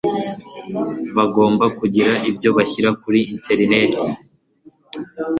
bagomba kugira ibyo bashyira kuri interineti